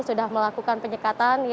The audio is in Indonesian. sudah melakukan penyekatan